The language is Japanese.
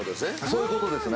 そういうことですね。